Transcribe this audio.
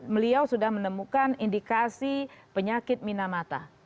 beliau sudah menemukan indikasi penyakit minamata